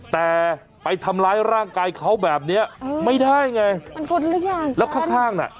แต่ไปทำร้ายร่างกายเขาแบบนี้ไม่ได้ไงแล้วข้างน่ะ